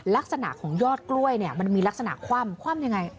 ลักษณะของยอดกล้วยเนี่ยมันมีลักษณะคว่ำคว่ำยังไง